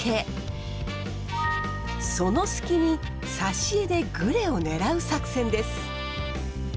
その隙に刺し餌でグレを狙う作戦です。